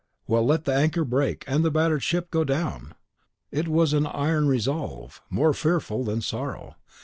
Well, let the anchor break and the battered ship go down! It was an iron resolve, more fearful than sorrow.